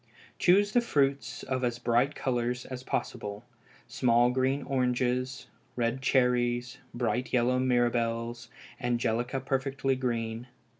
Choose the fruits of as bright colors as possible small green oranges, red cherries, bright yellow mirabelles, angelica perfectly green.